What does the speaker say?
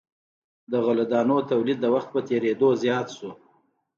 د غلو دانو تولید د وخت په تیریدو زیات شو.